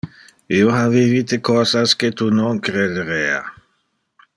Io ha vivite cosas que tu non crederea.